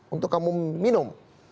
untuk kamu minum